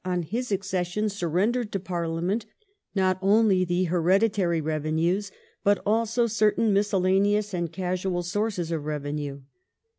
on his accession, sur rendered to Parliament not only the "hereditary revenues," but also certain miscellaneous and casual sources of revenue.